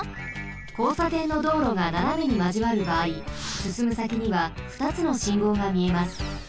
こうさてんのどうろがななめにまじわるばあいすすむさきにはふたつの信号がみえます。